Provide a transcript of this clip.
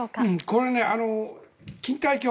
これ、錦帯橋